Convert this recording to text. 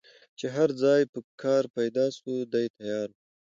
چي هر ځای به کار پیدا سو دی تیار وو